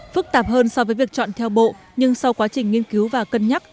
phức tạp hơn so với việc chọn theo bộ nhưng sau quá trình nghiên cứu và cân nhắc